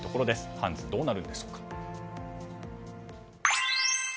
ハンズどうなるのでしょうか。